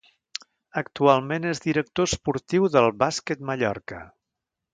Actualment és director esportiu del Bàsquet Mallorca.